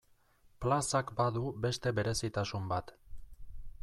Plazak badu beste berezitasun bat.